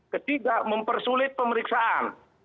ketiga mempersulit pemeriksaan